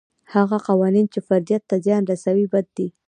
هغه قوانین چې فردیت ته زیان رسوي بد دي.